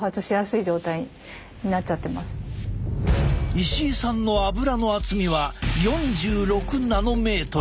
石井さんのアブラの厚みは４６ナノメートル。